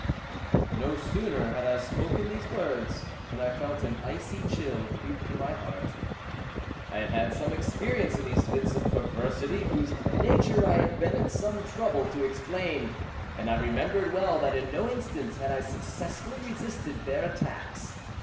No sooner had I spoken these words, than I felt an icy chill creep to my heart. I had had some experience in these fits of perversity (whose nature I have been at some trouble to explain), and I remembered well that in no instance I had successfully resisted their attacks.